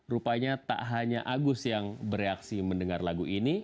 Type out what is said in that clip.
rupanya tak hanya agus yang bereaksi mendengar lagu ini